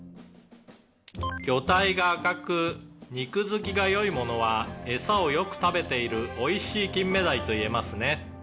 「魚体が赤く肉付きが良いものはエサをよく食べているおいしい金目鯛といえますね」